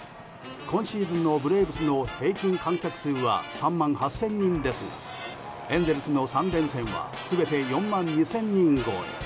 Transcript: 今シーズンのブレーブスの平均観客数は３万８０００人ですがエンゼルスの３連戦は全て４万２０００人超え。